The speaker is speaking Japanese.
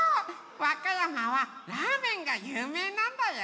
わかやまはラーメンがゆうめいなんだよ。